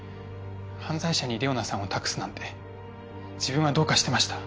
犯罪者に玲於奈さんを託すなんて自分はどうかしてました